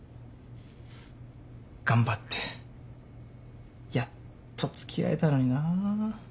頑張ってやっと付き合えたのにな。